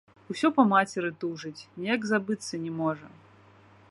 Усё па мацеры тужыць, ніяк забыцца не можа.